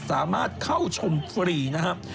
สามารถเข้าชมฟรีนะครับ